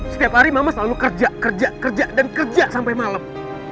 setiap hari mama selalu kerja kerja dan kerja sampai malam